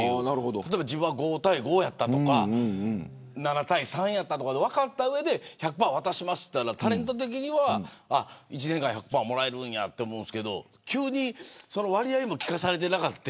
例えば５対５やった７対３やったとか分かった上で１００％渡しますと言われたらタレント的には１年間はもらえるんだと思うけど割合も聞かされてなくて。